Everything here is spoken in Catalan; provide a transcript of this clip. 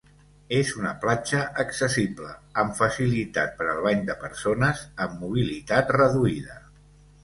És una platja accessible, amb facilitat per al bany de persones amb mobilitat reduïda.